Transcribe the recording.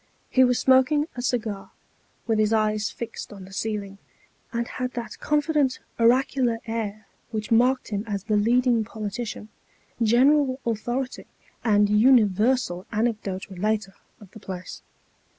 He was smoking a cigar, with his eyes fixed on the ceiling, and had that confident oracular air which marked him as the leading politician, general authority, and universal anecdote relater, of the place.